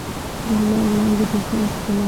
د لمر وړانګې د ژوند ښکلا ده.